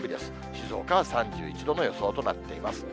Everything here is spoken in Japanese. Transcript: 静岡は３１度の予想となっています。